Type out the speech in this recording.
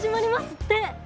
って。